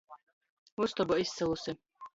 Ustoba izsoluse.